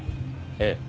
ええ。